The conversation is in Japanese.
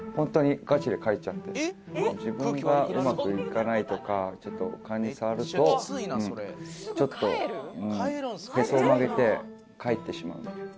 自分がうまくいかないとかちょっとかんに障るとちょっとへそを曲げて帰ってしまうみたいな。